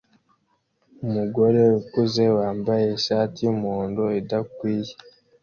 Umugore ukuze wambaye ishati yumuhondo idakwiye